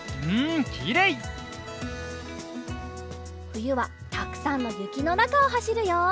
ふゆはたくさんのゆきのなかをはしるよ。